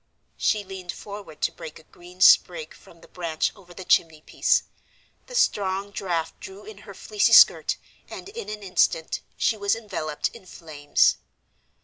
She leaned forward to break a green sprig from the branch over the chimneypiece; the strong draft drew in her fleecy skirt, and in an instant she was enveloped in flames.